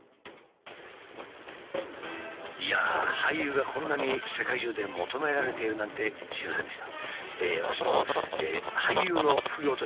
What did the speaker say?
いやあ廃油がこんなに世界中で求められているなんて知りませんでした。